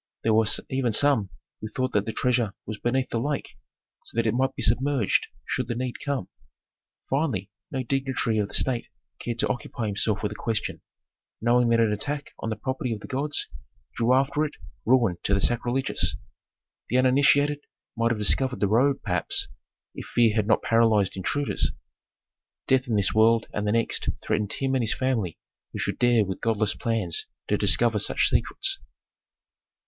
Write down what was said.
There were even some who thought that the treasure was beneath the lake, so that it might be submerged should the need come. Finally no dignitary of the state cared to occupy himself with the question, knowing that an attack on the property of the gods drew after it ruin to the sacrilegious. The uninitiated might have discovered the road, perhaps, if fear had not paralyzed intruders. Death in this world and the next threatened him and his family who should dare with godless plans to discover such secrets.